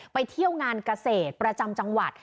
ไปเที่ยวงานเกษตรประจำจังหวัด